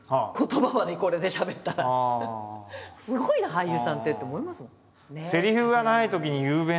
すごいな俳優さんってって思いますもん。